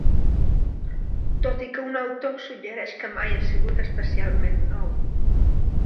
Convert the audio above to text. Tot i que un autor suggereix que mai ha sigut especialment nou.